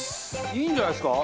いいんじゃないですか？